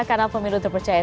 karena pemilu terpercaya